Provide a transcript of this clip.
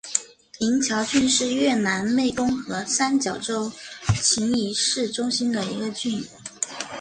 宁桥郡是越南湄公河三角洲芹苴市中心的一个郡。